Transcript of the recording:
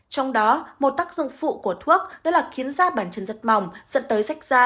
trong đó một tác dụng phụ của thuốc đó là khiến da bản chân rất mỏng dẫn tới rách da